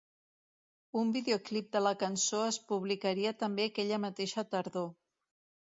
Un videoclip de la cançó es publicaria també aquella mateixa tardor.